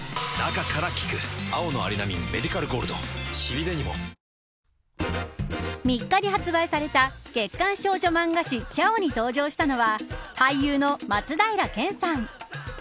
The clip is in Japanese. ３日に発売された３日に発売された月刊少女漫画誌ちゃおに登場したのは俳優の松平健さん。